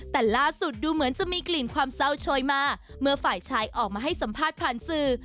แต่ล่าสุดดูเหมือนจะมีกลิ่นความเศร้าโชยมาเมื่อฝ่ายชายออกมาให้สัมภาษณ์ผ่านสื่อ